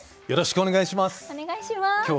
よろしくお願いします。